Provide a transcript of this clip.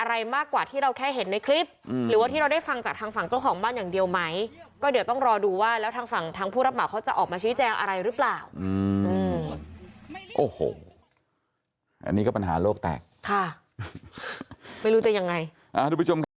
รอยแตกหลายจุดประตูห้องเสียหายหน้าต่างหลังบ้านปิด